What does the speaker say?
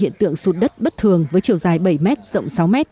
hiện tượng sụt đất bất thường với chiều dài bảy m rộng sáu m